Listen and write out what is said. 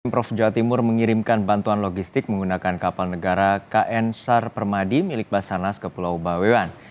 pemprov jawa timur mengirimkan bantuan logistik menggunakan kapal negara kn sar permadi milik basarnas ke pulau bawean